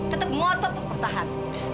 tetep ngotot tetep bertahan